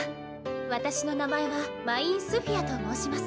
私の名前はマイン・スフィアと申します。